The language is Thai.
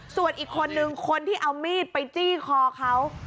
ส่วนอีกคนนึงคนที่เอามีดไปจี้คอเขา